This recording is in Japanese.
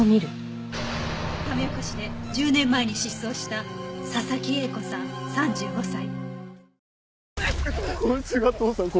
亀岡市で１０年前に失踪した佐々木栄子さん３５歳。